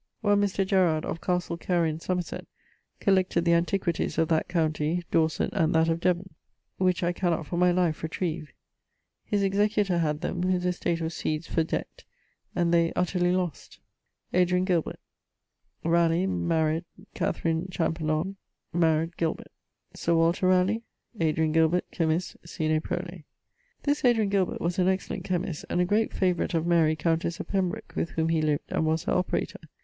= One Mr. Gerard, of Castle Carey in Somerset, collected the antiquities of that county, Dorset, and that of Devon: which I cannot for my life retrive. His executor had them, whose estate was seized for debt; and utterly lost. =Adrian Gilbert= (). ... Ralegh m. Katherine Champernon m. ... Gilbert || Sir Walter Ralegh Adrian Gilbert, chymist; sine prole. This Adrian Gilbert was an excellent chymist, and a great favourite of Mary, countesse of Pembroke, with whom he lived and was her operator.